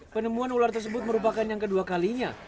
penemuan ular tersebut merupakan yang kedua kalinya